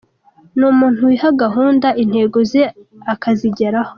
Ni umuntu wiha gahunda, intego ze akazigeraho.